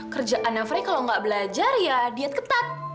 kerjaan frey kalau nggak belajar ya diet ketat